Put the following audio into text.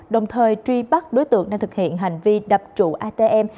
đồng thời truy bắt đối tượng đang thực hiện hành vi đập trụ atm